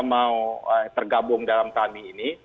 mau tergabung dalam kami ini